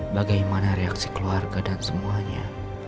bagaimana reaksi keluarga dan semuanya